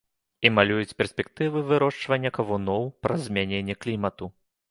І малююць перспектывы вырошчвання кавуноў, праз змяненне клімату.